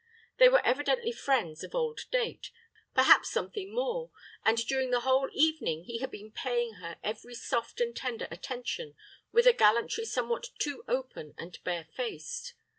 They were evidently friends of old date perhaps something more; and during the whole evening he had been paying her every soft and tender attention with a gallantry somewhat too open and barefaced.